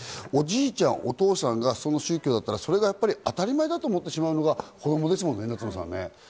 おじいちゃん、お父さんがその宗教だったら、それが当たり前だと思ってしまうのが子供ですもんね。